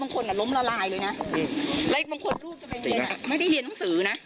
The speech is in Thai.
ครับเรียกโทษ